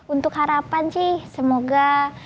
untuk harapan sih semoga